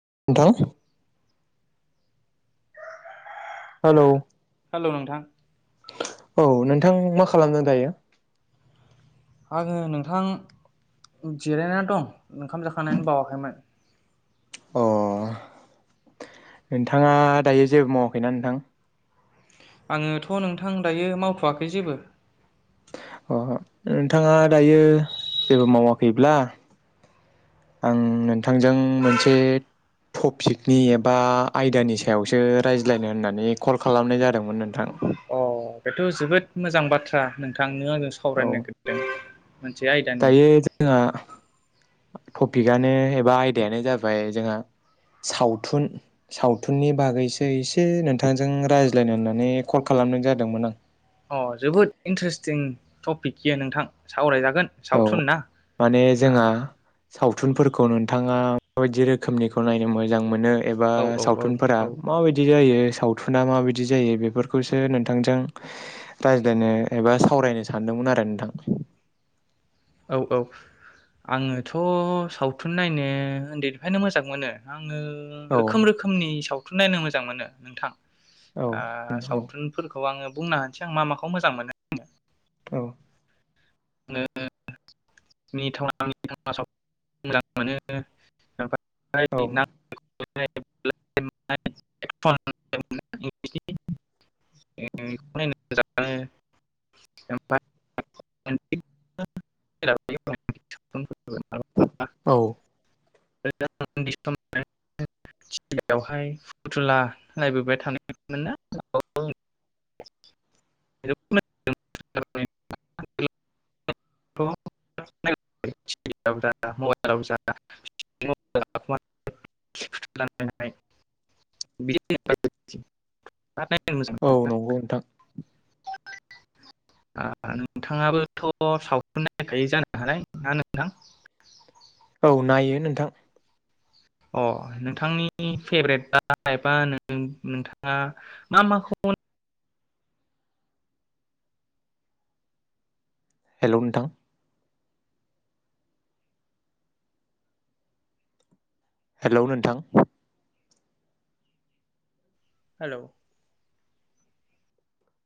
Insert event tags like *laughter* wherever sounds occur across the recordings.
*unintelligible* Hello hello नोंथां औ नोंथां मा खालामदों दायो आंङो नोंथां जिरायनानै दं ओंखाम जाखांनाय बावाखैमोन अ नोंथाङा दायो जेबो मावाखैना नोंथां आङोथ' नोंथां दायो मावथवाखै जेबो अ नोंथाङा दायो जेबो मावाखैब्ला आं नोंथांजों मोनसे टपिकनि एबा आयदानि सायावसो रायज्लायनो होननानै कल खालामनाय जादोंमोन नोंथां *unintelligible* बेथ' जोबोद मोजां बाथ्रा नोंथां नों आंजों औ सावरायनो नागिरदों मोनसे आयदानि दायो टपिकआनो एबा आयदायानो जाबाय जोंहा सावथुन सावथुननि बागैसो एसे नोंथांजों रायज्लायनो होननानै कल खालामनाय जादोंमोन आं अ जोबोद इन्टारेस्टिं टपिक नोंथां सावरायजागोन औ सावथुन ना माने जोंहा सावथुनफोरखौ नोंथाङा माबायदि रोखोमनिखौ नायनो मोजां मोनो एबा औ औ औ सावथुनफोरा औ माबायदि जायो सावथुना माबायदि जायो बेफोरखौसो नोंथांजों रायज्लायनो एबा सावरायनो सानदोंमोन आरो नोंथां औ औ आंङोथ'सावथुन नायनो उन्दैनिफ्रायनो मोजां मोनो आं औ *unintelligible* रोखोम रोखोमनि साव नायनो मोजां मोनो नोंथां औ ओ सावथुनफोरखौ आंङो बुंनो होनसै आं मा माखौ मोजां मोनो औ *unintelligible* *unintelligible* *unintelligible* औ *unintelligible* *unintelligible* *unintelligible* *unintelligible* *unintelligible* आ औ नंगौ नोंथां नोंथांङाबोथ सावथुन नायखायो जानो हालाय ना नोंथां। औ नायो नोंथां। अ नोंथांनि फेभरेट बा एबा नोंथाङा मा माखौ हेलौ नोंथां। हेलौ नोंथां। हेलौ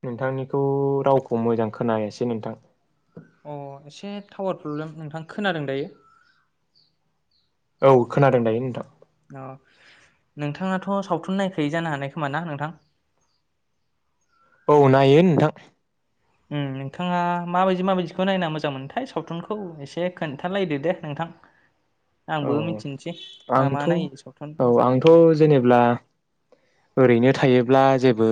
नोंथांनिखौ रावखौ मोजां खोनायासै नोंथां। अ एसे टावार प्रब्लेम नोंथां खोनादों दायो। औ खोनादों दायो नोंथां। ओ नोंथाङाथ सावथुन नायखायो जानो हानाय खोमा ना नोंथां? औ नायो नोंथां। ओम नोंथाङा माबायदि माबायदिखौ नायना मोजां मोनथाय सावथुनखौ एसे खोन्थालायदो दे नोंथां? औ आंबो मिथिनोसै मा मा आंथ' नायोबो सावथुन औ मोजां आंथ' मोनो। जेनेब्ला ओरैनो थायोब्ला जेबो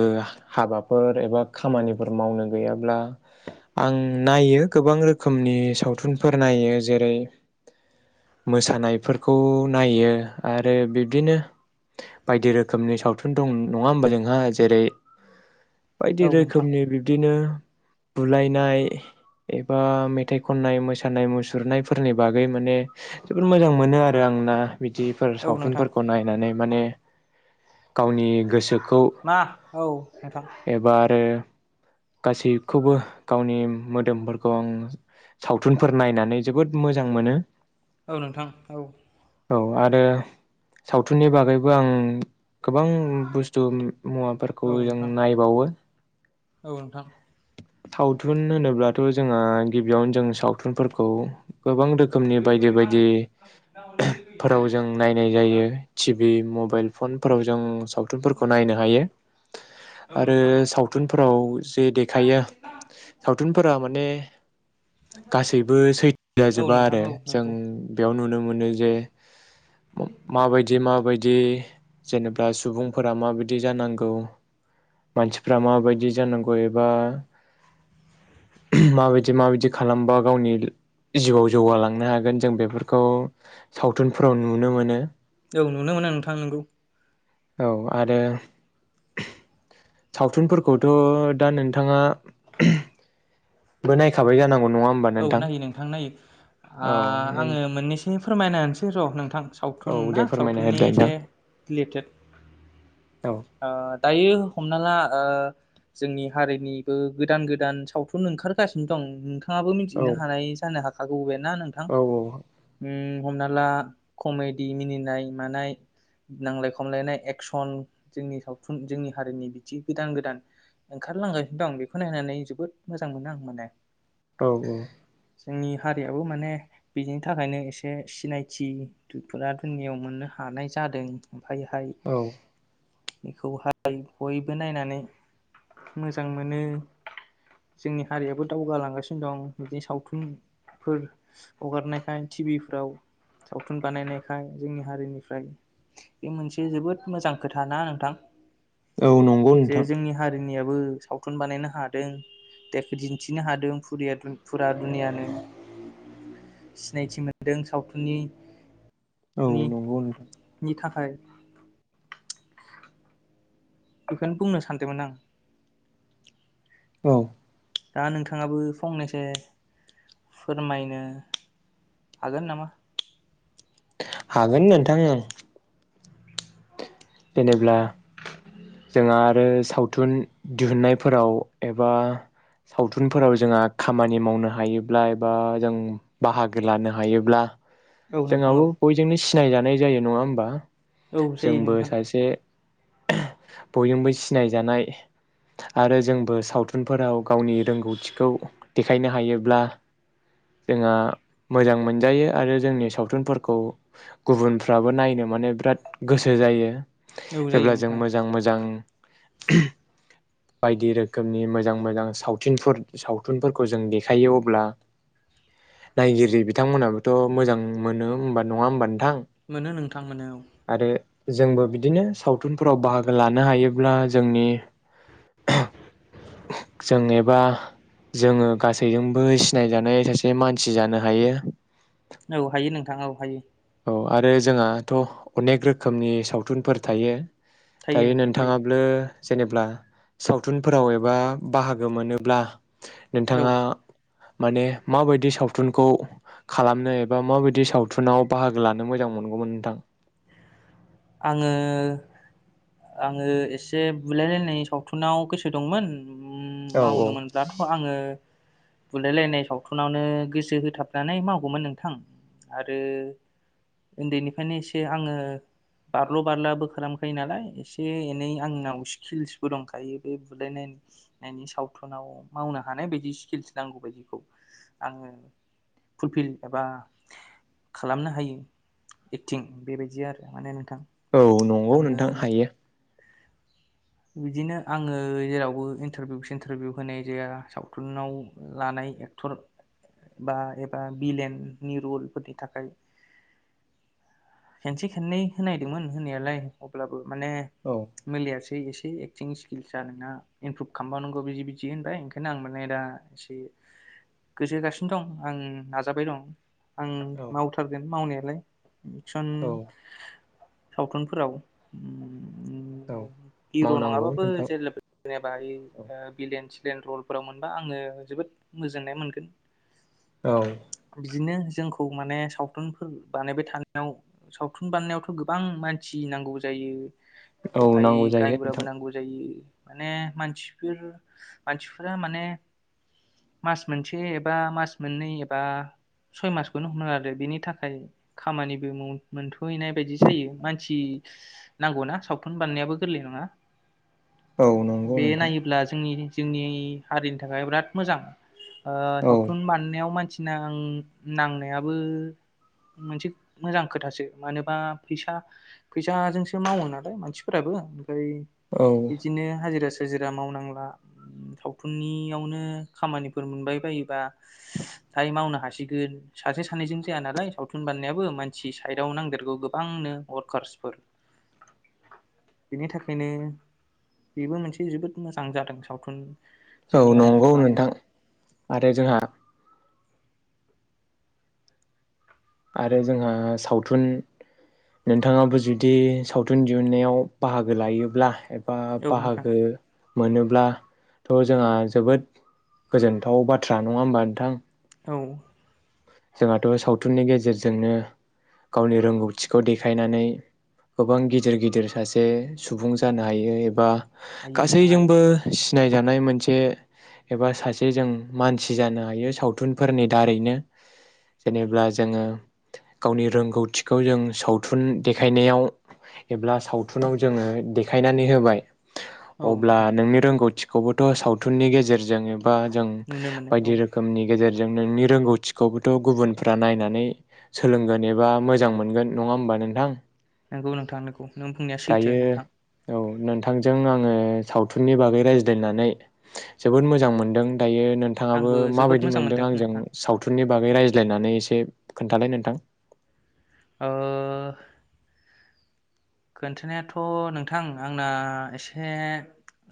हाबाफोर एबा खामानिफोर मावनो गैयाब्ला आं नायो गोबां रोखोमनि सावथुनफोर नायो जेरै मोसानायफोरखौ नायो आरो बिब्दिनो बायदि रोखोमनि सावथुन। बे दं नङा होमबा जोंहा जेरै बायदि औ नोंथां रोखोमनि बिब्दिनो। बुलायनाय एबा मेथाइ खननाय मोसानाय मुसुरनायफोरनि बागै माने जोबोद मोजां मोनो आरो आंना। बिदिफोर औ नोंथां सावथुनफोरखौ नायनानै। माने गावनि गोसोखौ मा औ नोंथां एबा आरो। गासैखौबो गावनि मोदोमफोरखौ आं सावथुनफोर नायनानै जोबोद मोजां मोनो। औ नोंथां औ। औ आरो सावथुननि बागैबो आं! गोबां बुस्थु औ मुवाफोरखौ जों नोंथां नायबावो। औ नोंथां। सावथुन होनोब्लाथ' जोंहा गिबियावनो जों सावथुनफोरखौ। गोबां रोखोमनि बायदि बायदि फोराव जों नायनाय औ जायो टिभि मबा फनफोराव जों सावथुनफोरखौ नायनो हायो आरो सावथुनफोराव जे देखायो। सावथुनफोरा माने गासैबो सैथो औ जाजोबा नोंथां आरो औ जों नंगौ बेयाव नु नुनो मोनो जे माबायदि माबाय बिदि जेनेबा सुबुंफोरा माबायदि जानांगौ मानसिफोरा माबायदि जानांगौ एबा। माबायदि माबायदि खालामबा गावनि जिउआव जौगालांनो हा गोन जों बेफोरखौ। सावथुनफ्राव नुनो मोनो। औ नुनो मोनो आं नोंथां नोंगौ। औ आरो सावथुनफोरखौथ दा नोंथाङा। नायखाबाय जानां औ नायो नोंथां नायो आ औ आङो मोननैसो। फोरमायना होनोसै र नोंथां। औ सावथुन ना दे फोरमायना सावथुननि होदो एसे नोंथां रिलेटेड औ ओ दायो हमना ला ओ जोंनि हारिनिबो गोदान- गोदान सावथुन ओंखारगासिनो दं। नोंथाङाबो औ मिथिनो हानाय जानो हागौ। हागौ। ना नोंथां? औ ओम। हमना ला कमेडि मिनिनाय मानाय नांजलाय- खमलायनाय एक्सन जोंनि सावथुन जोंनि हारिनि बिदि गोदान गोदान ओंखारलांगासिनो दं बेखौ नायनानै जोबोद मोजां मोनो आं माने। औ औ जोंनि हारियाबो माने बिनि थाखायनो एसे सिनायथिफोरा दुनियाव मोननो हानाय जादों। ओमफायहाय औ बेखौहाय बयबो नायनानै मोजां मोनो जोंनि हारियाबो दावगालांगासिनो। दं बिदिनो सावथुनफोर हगारनायखाय टिभिफ्राव सावथुन बानायनायखाय जोंनि हारिनिफ्राय बे मोनसे जोबोद मोजां खोथा ना नोंथां। औ नंगौ नोंथां जे जोंनि हारिनिया *unintelligible* सावथुन बानायनो हादों दे दिन्थिनो हादों। *unintelligible* फुरा दुनियानो सिनायथि मोनदों सावथुननि औ नंगौ नोंथां *unintelligible* थाखाय *unintelligible* बेखौनो बुंनो सानदोंमोन आं। औ दा नोंथाङाबो फंनैसो फोरमायनो हागोन नामा? हागोन नोंथां ओं। जेनेब्ला जोंहा आरो सावथुन दिहुनन्नायफोराव एबा सावथुनफोराव जोंहा खामानि मावनो हायोब्ला एबा जों बाहागो लानो हायोब्ला औ नोंथां जोंहाबो औ बयजोंनो *unintelligible* सिनायजानाय जायो नङा होमबा? औ जायो जोंबो नोंथां। *unintelligible* बयजोंबो सिनाय जानाय आरो जोंबो सावथुनफोराव गावनि रोंगौथिखौ देखायनो हायोब्ला जोंहा मोजां मोनजायो आरो जोंनि सावथुनफोरखौ गुबुनफ्राबो नायनो माने बिराद गोसो जायो। औ जायो जेब्ला जों नोंथां मोजां- मोजां बायदि रोखोमनि मोजां मोजां सावथुनफोर- सावथुनफोरखौ जों देखायो अब्ला नायगिरि बिथांमोनाबोथ' मोजां मोनो होमबा नङा होमबा? नोंथां मोनो नोंथांमोन औ। आरो जोंबो *unintelligible* बिदिनो सावथुनफोराव बाहागो लानो हायोब्ला जोंनि जों एबा जोंङो गासैजोंबो सिनायजानाय सासे मानसि जानो हायो। औ हायो नोंथां औ हायो। औ आरो जोंहाथ' अनेक रोखोमनि सावथुनफोर थायो। थायो दायो नोंथां थायो नोंथाङाब्लो जेनेब्ला सावथुनफोराव एबा बाहागो मोनोब्ला औ नोंथाङा माने माबायदि सावथुनखौ खालामनो एबा माबायदि सावथुनाव बाहागो लानो मोजां मोनगौमोन नोंथां आंङो आंङो एसे बुलायलायनाय सावथुनाव गोसो दंमोन ओम औ मावनो मोनब्लाथ आंङो बुलायलायनाय सावथुनावनो गोसो होथाबनानै मावगौमोन नोंथां आरो उन्दैनिफ्रायनो एसे आंङो बारल' बारलाबो खालामखायो नालाय एसे एनै आंनाव स्किल्सबो दंखायो बे बुलायनायनि सावथुनाव मावनो हानाय बायदि स्किल्स नांगौ बदिखौ आंङो फुलफिल एबा खालामनो हायो एक्टिं बेबायदि आरो माने नोंथां औ नंगौ नोंथां आङो हायो बिदिनो आंङो जेरावबो इन्टारभिउ सिन्टारभिउ होनाय जाया सावथुनाव लानाय एक्टर बा एबा बिलेननि रलफोरनि थाखाय खेनसे खननै होनायदोंमोन होननायालाय अब्लाबो माने औ मिलियासै *inaudible* एसे एक्टिं स्किल्स आ नोंना इमप्रुभ खालामबावनांगौ बिदि बिदि होनबाय ओंखायनो आं माने दा एसे गोसो होगासिनो दं आं नाजाबाय दं आं औ मावथारगोन मावनाया नै औ *inaudible* सावथुनफोराव औ हिर' मावनांगौ नङाबाबो नोंथां जे जेनेबा बिलियेन्स प्लेन रलफोराव मोनबा आंङो जोबोद गोजोन्नाय मोनगोन औ बिदिनो जोंखौ माने सावथुनफोर बानायबाय थानायाव सावथुन बानायनायावथ' गोबां मानसि नांगौ जायो औ ओमफ्राय नांगौ जाय गायगुराबो नांगौ जायो माने मानसिफोर मानसिफोरा माने मास मोनसे एबा मास मोननै एबा सय मासखौनो हमनानै लादो आरो बेनि थाखाय खामानिबो मोनथहैनाय बायदि जायो मानसि नांगौना सावथुन बानायनायाबो गोरलै नङा औ नंगौ बे नोंथां नायोब्ला जोंनि जोंनि हारिनि थाखाय बिराद मोजां ओ औ सावथुन बानायनायाव मानसि नां नांनायाबो मोनसे मोजां खोथासो। मानोबा फैसा फैसाजोंसो मावो नालाय मानसिफोराबो। ओमफ्राय औ बिदिनो हाजिरा हाजिरा ओम मावनांला सावथुननियावनो खामानिफोर मोनबाय बायोबा फ्राय मावनो हासिगोन सासे सानैजों जाया नालाय सावथुन बानायनायाबो मानसि साइडआव नांदेरगौ गोबांनो वारकार्सफोर। बेनि थाखायनो बेबो मोनसे जोबोद मोजां जादों सावथुन औ जोंनि हारिनिफ्राय नंगौ नोंथां बानायनाया आरो जोंहा आरो जोंहा सावथुन नोंथाङाबो जुदि सावथुन दिहुननायाव बाहागो लायोब्ला बा औ नोंथां बाहागो मोनोब्लाथ' जोंहा जोबोद गोजोनथाव बाथ्रा नङा होमबा नोंथां औ जोंहाथ' सावथुननि गेजेरजोंनो गावनि रोंगौथिखौ देखायनानै गोबां गिदिर गिदिर सासे सुबुं जानो हायो एबा हायो नोंथां हायो गासैजोंबो सिनायजानाय मोनसे एबा सासे जों मानसि जानो हायो सावथुनफोरनि दारैनो। जेनेब्ला जोङो गावनि रोंगौथिखौ जों सावथुन देखायनायाव एबा सावथुनाव जोङो देखायनानै होबाय औ अब्ला नोंथां नोंनि रोंगौथि खौबोथ' सावथुननि गेजेरजों बा जों नुनो मोनो बायदि औ रोखोमनि गेजेर जोंनो नि रोंगौथि खौबोथ' गुबुनफ्रा नायनानै सोलोंगोन एबा मोजां मोनगोन नङा होमबा नोंथां। नोंगौ नोंथां नोंगौ नों बुंनाया सैथो दायो नोंथां। औ नोंथांजों आङो सावथुननि बागै रायज्लायनानै जोबोद मोजां मोनदों। दायो नोंथाङाबो आंबो जोबोद माबायदि मोजां मोनदों आंजों नोंथां साव नि बागै रायज्लायनानै एसे खोन्थालाय नोंथां ओ खोन्थानायाथ' नोंथां आंना एसे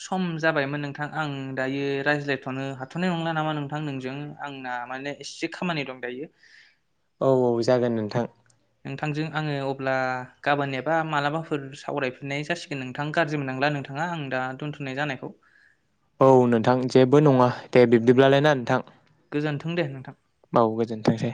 सम जाबायमोन नोंथां आं दायो रायज्लायथ'नो हाथ'नाय नंला नामा नोंथां नोंजों आंना माने एसे खामानि दं दायो। औ औ जागोन नोंथां। नोंथांजों आङो अब्ला गाबोन एबा मालाबाफोर सावरायफिननाय जासिगोन नोंथां गाज्रि मोननांला नोंथाङा आं दा दोनथ'नाय जानायखौ। औ नोंथां जेबो नङा दे बिब्दिब्लालाय ना नोंथां। गोजोन्थों दे नोंथां औ गोजोनथोंसै।